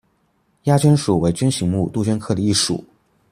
鸦鹃属为鹃形目杜鹃科的一属。